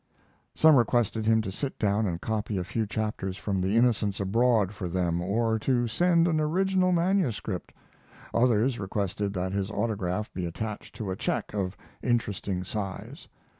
Some requested him to sit down and copy a few chapters from The Innocents Abroad for them or to send an original manuscript. Others requested that his autograph be attached to a check of interesting size.